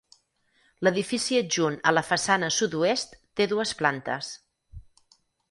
L'edifici adjunt a la façana sud-oest, té dues plantes.